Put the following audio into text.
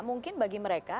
mungkin bagi mereka